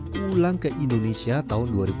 pulang ke indonesia tahun dua ribu delapan belas